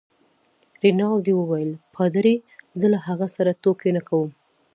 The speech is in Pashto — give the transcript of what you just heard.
رینالډي وویل: پادري؟ زه له هغه سره ټوکې نه کوم.